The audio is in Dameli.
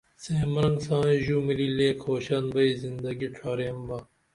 سے مرنگ سائیں ژو ملی لے کھوشن بئی زندگی ڇھاریم با